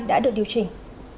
đã được điều chỉnh